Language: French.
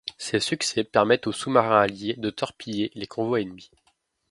Ces succès permettent aux sous-marins alliés de torpiller les convois ennemis.